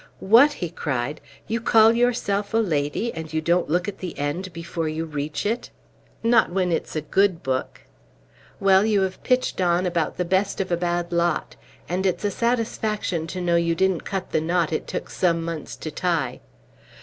"What!" he cried; "you call yourself a lady, and you don't look at the end before you reach it?" "Not when it's a good book." "Well, you have pitched on about the best of a bad lot; and it's a satisfaction to know you didn't cut the knot it took some months to tie."